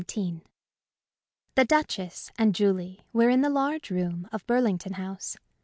XVII The Duchess and Julie were in the large room of Burlington House.